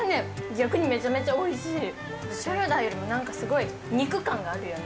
逆にめちゃめちゃおいしいショルダーよりも何かすごい肉感があるよね